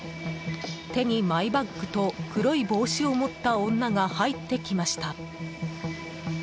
手にマイバッグと黒い帽子を持った女が入ってきました。